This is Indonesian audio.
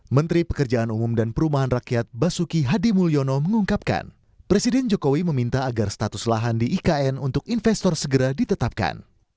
menteri pekerjaan umum dan perumahan rakyat basuki hadi mulyono mengungkapkan presiden jokowi meminta agar status lahan di ikn untuk investor segera ditetapkan